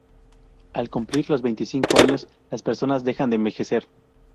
Al cumplir los veinticinco años, las personas dejan de envejecer.